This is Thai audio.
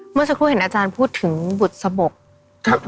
เมื่อสักครู่เห็นอาจารย์พูดถึงบุตรสะบกครับ